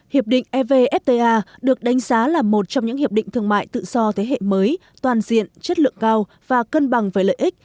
hiệp định evfta được đánh giá là một trong những hiệp định thương mại tự do thế hệ mới toàn diện chất lượng cao và cân bằng với lợi ích